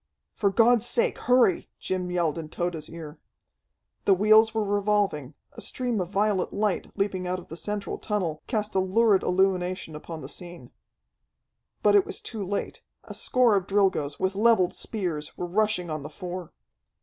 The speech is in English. "For God's sake hurry!" Jim yelled in Tode's ear. The wheels were revolving, a stream of violet light, leaping out of the central tunnel, cast a lurid illumination upon the scene. But it was too late. A score of Drilgoes, with leveled spears, were rushing on the four.